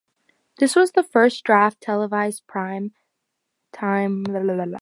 This was the first draft televised prime time on national television.